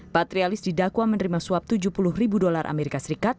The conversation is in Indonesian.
patrialis didakwa menerima suap tujuh puluh ribu dolar as